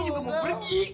ini juga mau pergi